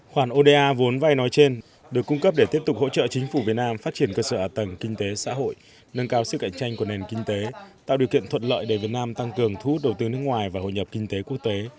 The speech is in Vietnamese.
khoản oda vốn vay nói trên được cung cấp để tiếp tục hỗ trợ chính phủ việt nam phát triển cơ sở ả tầng kinh tế xã hội nâng cao sức cạnh tranh của nền kinh tế tạo điều kiện thuận lợi để việt nam tăng cường thu hút đầu tư nước ngoài và hội nhập kinh tế quốc tế